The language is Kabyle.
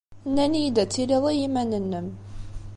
Nnan-iyi-d ad tiliḍ i yiman-nnem.